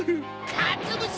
かつぶし